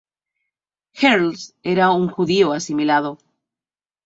Herzl era un judío asimilado.